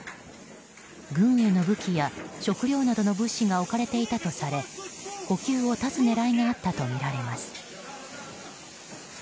軍への武器や食料などの物資が置かれていたとされ補給を断つ狙いがあったとみられます。